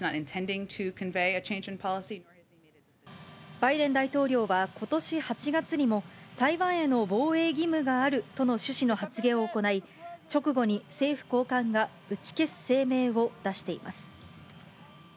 バイデン大統領はことし８月にも、台湾への防衛義務があるとの趣旨の発言を行い、直後に政府高官が打ち消す声明を出しています。